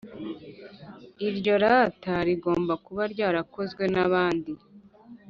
iryo tara rigomba kuba ryarakozwe n’abandi